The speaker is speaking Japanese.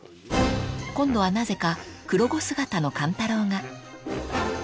［今度はなぜか黒子姿の勘太郎が］